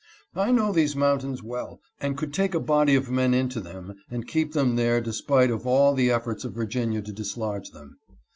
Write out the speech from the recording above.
I know these mountains well, and could take a body of men into them and keep them there despite of all the efforts of Virginia to dislodge them.